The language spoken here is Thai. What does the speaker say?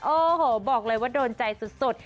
โอ้โหบอกเลยว่าโดนใจสุด